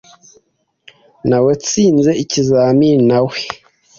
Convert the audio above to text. Nawetsinze ikizamini nawe .